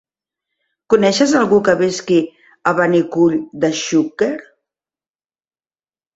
Coneixes algú que visqui a Benicull de Xúquer?